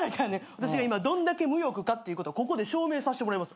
私が今どんだけ無欲かっていうことをここで証明させてもらいます。